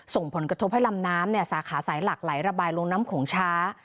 ส่งผลกระทบให้ลำน้ำสาขาสายหลักไหลระบายลงน้ำโขงช้า